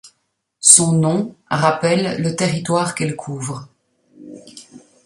Son nom rappelle le territoire qu’elle couvre.